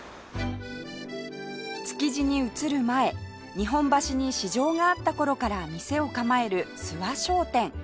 築地に移る前日本橋に市場があった頃から店を構える諏訪商店